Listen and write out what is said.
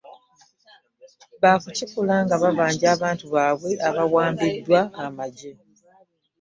Ba kukikola nga babanja abantu baabwe abaawambibwa amagye